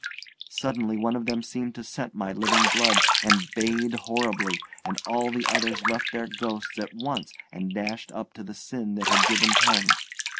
Suddenly one of them seemed to scent my living blood, and bayed horribly, and all the others left their ghosts at once and dashed up to the sin that had given tongue.